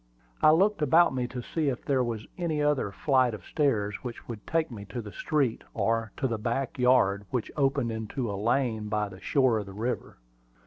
I looked about me to see if there was any other flight of stairs which would take me to the street, or to the back yard, which opened into a lane by the shore of the river.